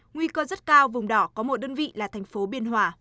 nguy cơ rất cao vùng đỏ có một đơn vị là thành phố biên hòa